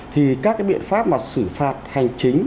thì các cái biện pháp mà xử phạt hành chính